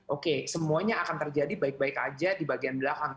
oke semuanya akan terjadi baik baik aja di bagian belakang